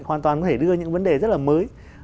hoàn toàn có thể đưa những vấn đề rất là mới